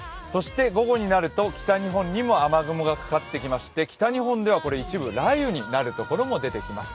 午後になると北日本にも雨雲がかかってきまして、北日本では一部雷雨になるところもあります。